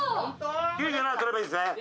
９７取ればいいんですね！